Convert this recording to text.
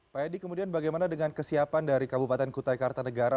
pak edi kemudian bagaimana dengan kesiapan dari kabupaten kutai kartanegara